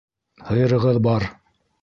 Һыйырығыҙ бар.